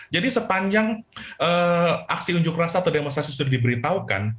jadi sepanjang aksi unjuk rasa atau demonstrasi sudah diberitahukan